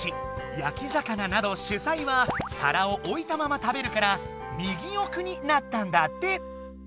やき魚など主菜はさらをおいたまま食べるから右おくになったんだって！